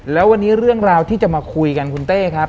แล้ววันนี้เรื่องราวที่จะมาคุยกันคุณเต้ครับ